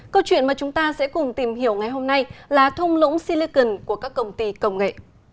câu chuyện mà chúng ta sẽ cùng tìm hiểu ngày hôm nay là thông lũng silicon của các công ty công nghệ